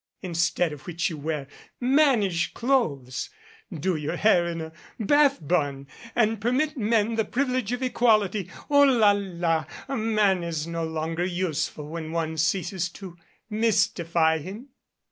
Instead of which you wear mannish clothes, do your hair in a Bath bun, and permit men the privilege of equality. Oh, la, la! A man is no longer useful when one ceases to mystify him."